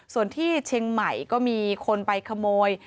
ส่วนที่เชียงใหม่ก็มีคนไปขโมย